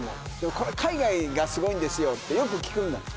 これ海外がすごいんですよってよく聞くんです。